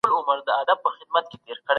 که هغوی ظلم پرې نږدي، خامخا به تباه سي.